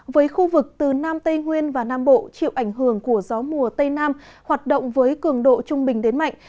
với khu vực từ nam tây nguyên và nam bộ chịu ảnh hưởng của gió mùa tây nam hoạt động với cường độ trung bình đến mạnh